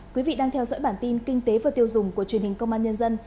quý vị đang theo dõi bản tin kinh tế và tiêu dùng của truyền hình công an nhân dân